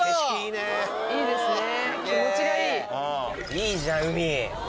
いいじゃん海。